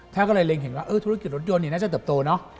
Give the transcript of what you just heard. ท่านก็เลยเห็นว่าธุรกิจรถยนต์น่าจะเติบโตเนอะ